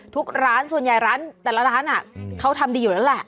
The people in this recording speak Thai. ทุกร้านส่วนใหญ่ร้านแต่ละร้านเขาทำดีอยู่แล้วแหละ